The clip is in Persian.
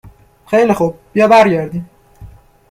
خیلی خوب بیا برگردیم